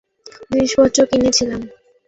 পথে কিছু দোকানে থেমে থেমে কিছু জিনিসপত্র কিনেছিলাম।